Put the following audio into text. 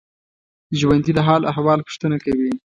ژوندي د حال احوال پوښتنه کوي